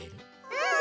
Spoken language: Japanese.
うん！